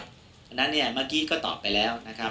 เพราะฉะนั้นเนี่ยเมื่อกี้ก็ตอบไปแล้วนะครับ